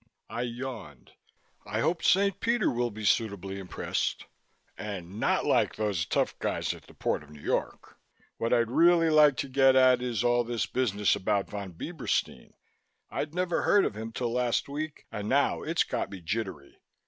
I yawned. "I hope Saint Peter will be suitably impressed and not like those tough guys at the Port of New York. What I'd really like to get at is all this business about Von Bieberstein. I'd never heard of him till last week and now it's got me jittery.